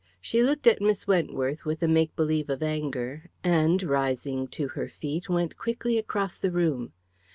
She looked at Miss Wentworth with a make believe of anger, and, rising to her feet, went quickly across the room.